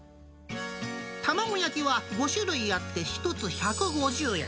卵焼きは５種類あって、１つ１５０円。